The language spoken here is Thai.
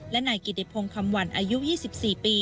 และนายกิเดพงคำวันอายุยี่สิบสี่ปี